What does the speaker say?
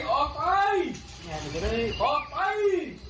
ออกไปออกไป